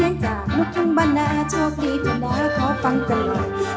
เสียงจากนุกทั้งบรรณาชอบดีจนแล้วขอฟังกันแล้ว